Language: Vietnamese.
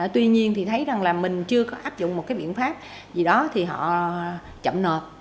tuy nhiên thì thấy rằng là mình chưa có áp dụng một cái biện pháp gì đó thì họ chậm nợ